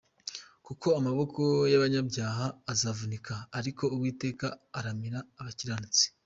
Kuko amaboko y’abanyabyaha azavunika, Ariko Uwiteka aramira abakiranutsi.